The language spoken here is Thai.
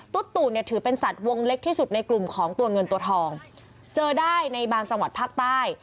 ตูดเนี่ยถือเป็นสัตว์วงเล็กที่สุดในกลุ่มของตัวเงินตัวทองเจอได้ในบางจังหวัดภาคใต้